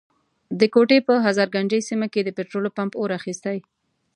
د کوټي په هزارګنجۍ سيمه کي د پټرولو پمپ اور اخستی.